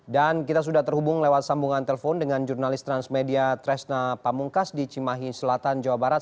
dan kita sudah terhubung lewat sambungan telepon dengan jurnalis transmedia tresna pamungkas di cimahi selatan jawa barat